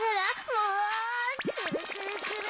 もうくるくるくる。